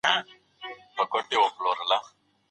پخواني قاضیان د بهرنیو اقتصادي مرستو پوره حق نه لري.